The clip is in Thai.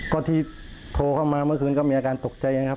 ก็ที่โทรเข้ามาเมื่อคืนก็มีอาการตกใจนะครับ